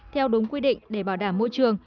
theo đúng quy định để bảo đảm môi trường